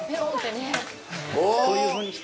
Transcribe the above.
こういうふうにして。